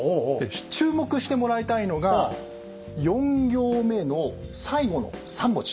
注目してもらいたいのが４行目の最後の３文字。